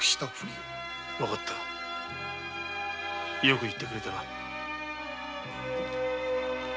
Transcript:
わかったよく言ってくれた。